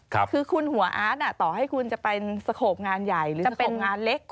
คือคุณหัวอาร์ตต่อให้คุณจะเป็นสโขปงานใหญ่หรือจะเป็นงานเล็ก